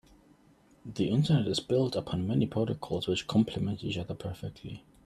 The internet is built upon many protocols which compliment each other perfectly.